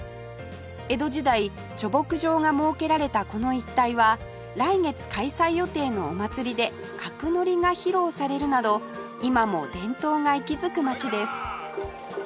江戸時代貯木場が設けられたこの一帯は来月開催予定のお祭りで角乗が披露されるなど今も伝統が息づく街です